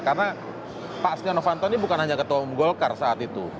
karena pak stianovanto ini bukan hanya ketua golkar saat itu